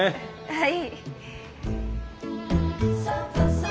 はい。